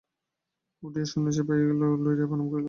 উঠিয়া সন্ন্যাসীর পায়ের কাছে লুটাইয়া প্রণাম করিল।